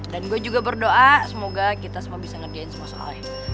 dan gua juga berdoa semoga kita semua bisa ngerjain semua soalnya